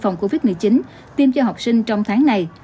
phòng covid một mươi chín tiêm cho học sinh trong tháng này